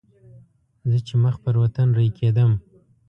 زه چې مخ پر وطن رهي کېدم.